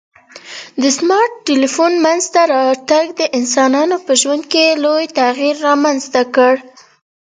د سمارټ ټلیفون منځته راتګ د انسانانو په ژوند کي لوی تغیر رامنځته کړ